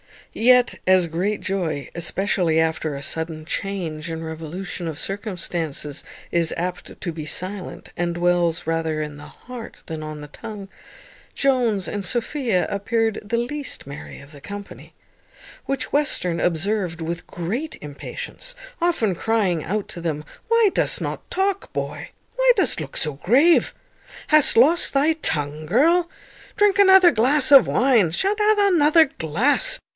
Yet, as great joy, especially after a sudden change and revolution of circumstances, is apt to be silent, and dwells rather in the heart than on the tongue, Jones and Sophia appeared the least merry of the whole company; which Western observed with great impatience, often crying out to them, "Why dost not talk, boy? Why dost look so grave? Hast lost thy tongue, girl? Drink another glass of wine; sha't drink another glass."